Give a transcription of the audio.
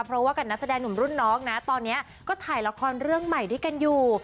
เพราะว่ากับนักแสดงหนุ่มรุ่นน้องนะตอนนี้ก็ถ่ายละครเรื่องใหม่ด้วยกันอยู่